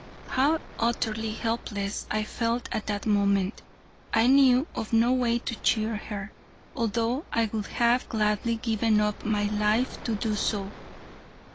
How utterly helpless I felt at that moment. I knew of no way to cheer her, although I would have gladly given up my life to do so.